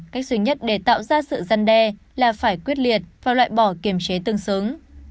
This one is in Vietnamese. cách duy nhất để tạo ra sự giăn đe là phải quyết liệt và loại bỏ kiềm chế tương xứng